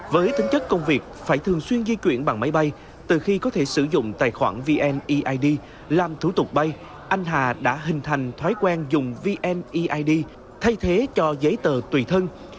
với tính chất công việc phải thường xuyên di chuyển bằng máy bay từ khi có thể sử dụng tài khoản vneid làm thủ tục bay anh hà đã hình thành thói quen dùng vneid thay thế cho giấy tờ tùy thân